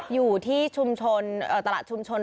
อยู่ที่ตลาดชุมชน